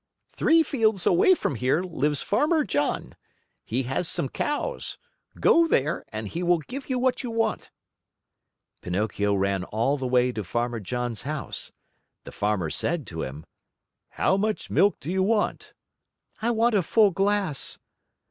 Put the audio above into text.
"Three fields away from here lives Farmer John. He has some cows. Go there and he will give you what you want." Pinocchio ran all the way to Farmer John's house. The Farmer said to him: "How much milk do you want?" "I want a full glass."